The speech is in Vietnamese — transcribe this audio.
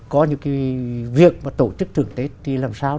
có những cái việc mà tổ chức thưởng tết thì làm sao